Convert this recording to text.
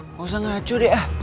gak usah ngacur ya